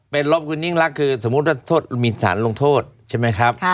เป็นลบคุณยิ่งรักคือสมมุติว่าโทษมีสารลงโทษใช่ไหมครับ